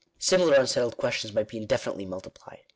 Similar unsettled questions might be indefinitely multi plied.